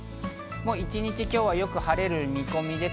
一日、今日はよく晴れる見込みです。